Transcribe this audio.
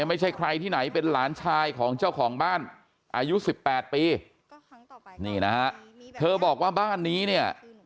ไม่ใช่ใครที่ไหนเป็นหลานชายของเจ้าของบ้านอายุสิบแปดปีนี่นะฮะเธอบอกว่าบ้านนี้เนี่ย